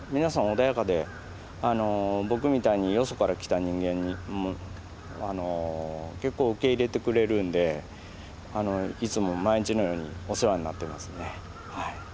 穏やかで僕みたいによそから来た人間も結構受け入れてくれるんでいつも毎日のようにお世話になってますね。